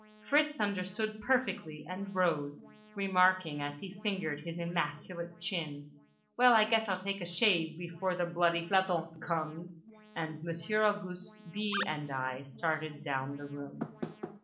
Fritz understood perfectly, and rose, remarking as he fingered his immaculate chin "Well, I guess I'll take a shave before the bloody planton comes"—and Monsieur Auguste, B., and I started down the room.